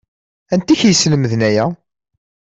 Anti i k-yeslemden aya?